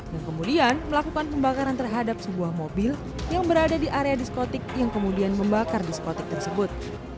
yang kemudian melakukan pembakaran terhadap sebuah mobil yang berada di area diskotik yang kemudian membakar diskotik tersebut